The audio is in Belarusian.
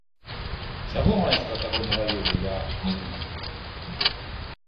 Чаму майстра таго не лавіў ля млына?